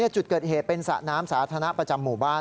จุดเกิดเหตุเป็นสระน้ำสาธารณะประจำหมู่บ้าน